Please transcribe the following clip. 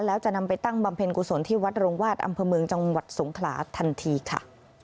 แล้วจะนำไปตั้งบำเพ็ญกุศลที่วัดโรงวาดอำเภอเมืองจังหวัดสงขลาทันทีค่ะ